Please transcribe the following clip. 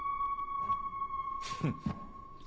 フッ。